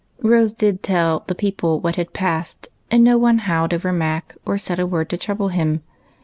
'' ROSE did tell "the people" what had passed, and no one "howled" over Mac, or said a word to trouble him.